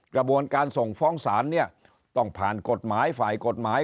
กระบวนการส่งฟ้องศาลเนี่ยต้องผ่านกฎหมายฝ่ายกฎหมาย